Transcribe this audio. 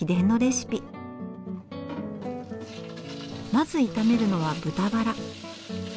まず炒めるのは豚バラ。